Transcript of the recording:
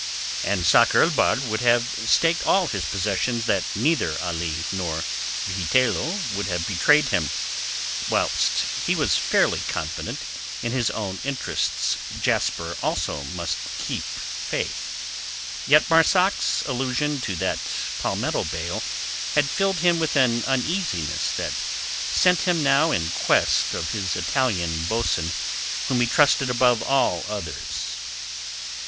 And Sakr el Bahr would have staked all his possessions that neither Ali nor Vigitello would have betrayed him, whilst he was fairly confident that in his own interests Jasper also must have kept faith. Yet Marzak's allusion to that palmetto bale had filled him with an uneasiness that sent him now in quest of his Italian boatswain whom he trusted above all others.